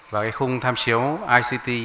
và khung tham chiếu ict